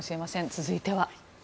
続いては。